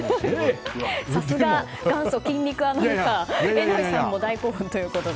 さすが元祖筋肉アナウンサー榎並さんも大興奮ということで。